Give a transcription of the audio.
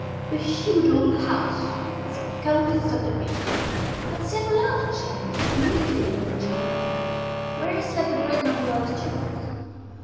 The huge old house, with its countless subdivisions, had several large chambers communicating with each other, where slept the greater number of the students.